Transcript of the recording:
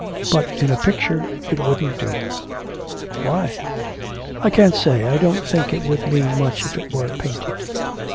But in a picture it wouldn't do.' 'Why?' 'I can't say. I don't think it would mean much if it were painted.'